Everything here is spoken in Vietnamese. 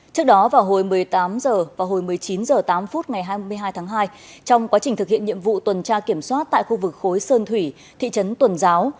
trước đó vào hồi một mươi tám h và hồi một mươi chín h tám phút ngày hai mươi hai tháng hai trong quá trình thực hiện nhiệm vụ tuần tra kiểm soát tại khu vực khối sơn thủy thị trấn tuần giáo